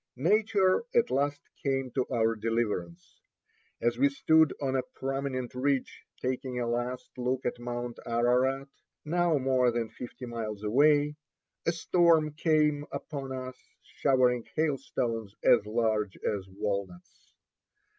Nature at last came to our deliverance. As we stood on a prominent ridge taking a last look at Mount Ararat, now more than fifty miles away, a storm came upon us, showering hailstones as large as walnuts.